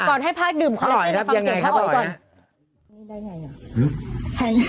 ก่อนให้พ่อดื่มคอลลาเจนฟังเสียงพ่อออก่อน